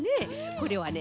これはね